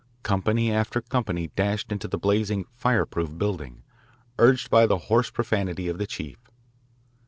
Company after company dashed into the blazing "fireproof" building, urged by the hoarse profanity of the chief.